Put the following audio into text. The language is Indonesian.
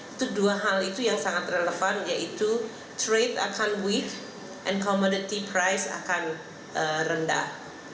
itu dua hal itu yang sangat relevan yaitu trade akan weak and commonity price akan rendah